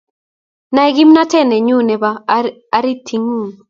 Nai kimnatet nenyun nebo aritingung